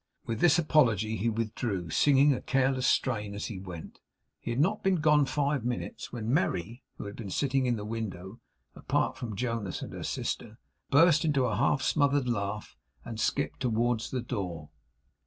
With this apology he withdrew, singing a careless strain as he went. He had not been gone five minutes, when Merry, who had been sitting in the window, apart from Jonas and her sister, burst into a half smothered laugh, and skipped towards the door.